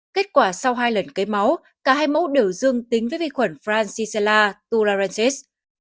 kết quả sau hai lần cấy máu cả hai mẫu đều dương tính với vi khuẩn francisella tularensis